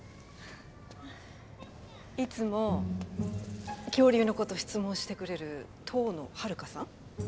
いつも恐竜のことを質問してくれる遠野ハルカさん？